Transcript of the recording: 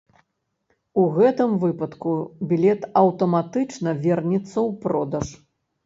У гэтым выпадку білет аўтаматычна вернецца ў продаж.